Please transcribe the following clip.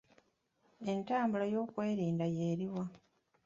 Entambula ey'okwerinda y eri wa?